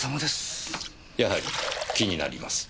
やはり気になります。